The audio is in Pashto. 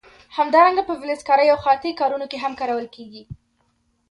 همدارنګه په فلزکارۍ او خیاطۍ کارونو کې هم کارول کېږي.